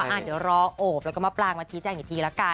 อ่านเดี๋ยวรอโอบแล้วก็มาปล่างวันทีแจงอีกทีแล้วกัน